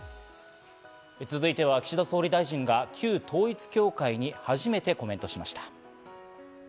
続いては岸田総理大臣が旧統一教会に初めてコメントしました。